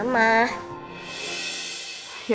ternyata firasatku gak salah